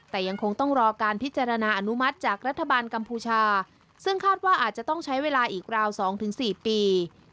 แต่ยังคงต้องรอการพิจารณาอนุมัติจากรัฐบาลกัมพูชาซึ่งคาดว่าอาจจะต้องใช้เวลาอีกราว๒๔ปี